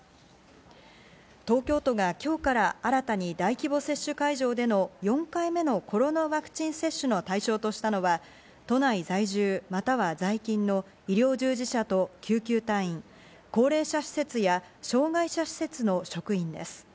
東京都が今日から新たに大規模接種会場での４回目のコロナワクチン接種の対象としたのは都内在住、または在勤の医療従事者と救急隊員、高齢者施設や障がい者施設の職員です。